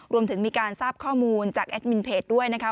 รวมถึงมีการทราบข้อมูลจากแอดมินเพจด้วยนะคะ